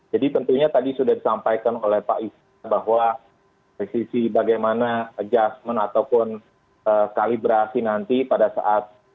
jadi tentunya tadi sudah disampaikan oleh pak isna bahwa resisi bagaimana adjustment ataupun kalibrasi nanti pada saat